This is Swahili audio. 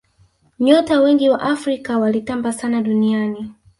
nyota wengi wa afrika walitamba sana duniani